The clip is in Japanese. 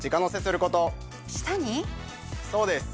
そうです。